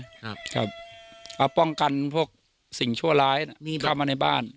เอาป้องกันพวกสิ่งชั่วร้ายเข้ามาในบ้าน